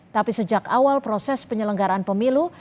tapi sejak awal proses penyelenggaraan pemilu